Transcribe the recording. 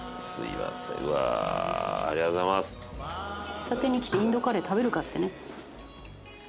喫茶店に来てインドカレー食べるかってね。